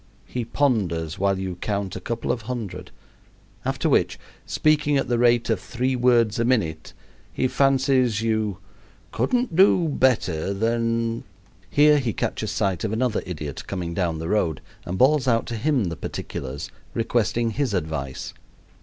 He ponders while you count a couple of hundred, after which, speaking at the rate of three words a minute, he fancies you "couldn't do better than " Here he catches sight of another idiot coming down the road and bawls out to him the particulars, requesting his advice.